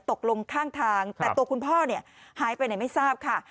ตกลงข้างทางแต่ตัวคุณพ่อเนี่ยหายไปไหนไม่ทราบค่ะ